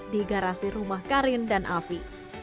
di garasi rumah karin dan afi